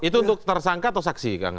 itu untuk tersangka atau saksi kang